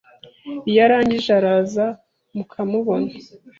Iyo arangije araza mukamubona